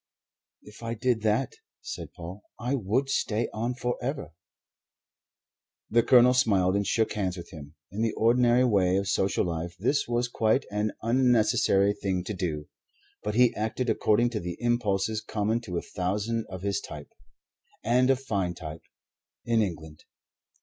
"If I did that," said Paul, "I would stay on forever." The Colonel smiled and shook hands with him. In the ordinary way of social life this was quite an unnecessary thing to do. But he acted according to the impulses common to a thousand of his type and a fine type in England.